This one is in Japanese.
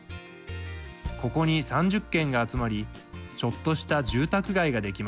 ここに３０軒が集まりちょっとした住宅街ができました。